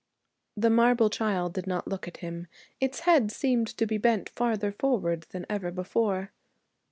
The marble child did not look at him. Its head seemed to be bent farther forward than ever before.